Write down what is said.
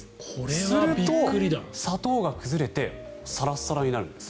すると砂糖が崩れてサラサラになるんです。